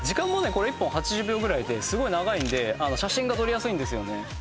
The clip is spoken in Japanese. これ１本８０秒ぐらいですごい長いんで写真が撮りやすいんですよね